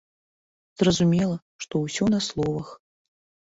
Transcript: Зразумела, што ўсё на словах.